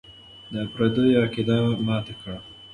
د پردیو عقیده ماته کړه.